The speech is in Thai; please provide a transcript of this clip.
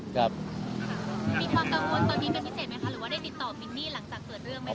มีความกังวลตอนนี้เป็นพิเศษไหมคะหรือว่าได้ติดต่อมินนี่หลังจากเกิดเรื่องไหมค